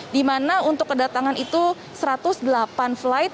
di mana untuk kedatangan itu satu ratus delapan flight